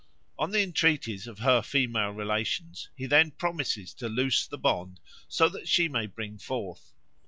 On the entreaties of her female relations he then promises to loosen the bond so that she may bring forth.